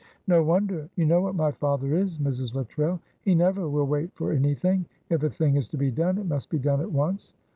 "No wonder! You know what my father is, Mrs. Luttrell. He never will wait for anything. If a thing is to be done it must be done at once.